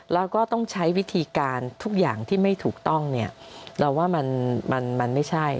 แล้วก็ต้องใช้วิธีการทุกอย่างที่ไม่ถูกต้องเนี่ยเราว่ามันไม่ใช่